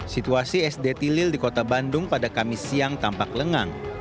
situasi sd tilil di kota bandung pada kamis siang tampak lengang